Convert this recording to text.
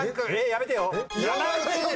やめてよ。